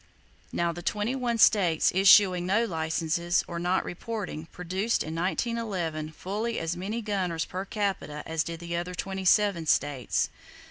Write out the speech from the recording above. Now, the twenty one states issuing no licenses, or not reporting, produced in 1911 fully as many gunners per capita as did the other twenty seven states.